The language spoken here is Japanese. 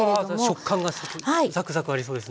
食感がザクザクありそうですね。